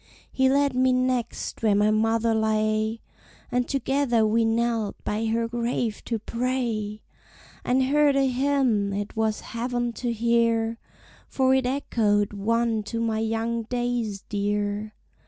He led me next where my mother lay, And together we knelt by her grave to pray, And heard a hymn it was heaven to hear, For it echoed one to my young days dear.